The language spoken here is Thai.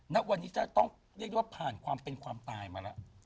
ณวันนี้จะต้องเรียกได้ว่าผ่านความเป็นความตายมาแล้ว